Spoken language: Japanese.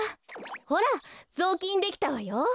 ほらぞうきんできたわよ。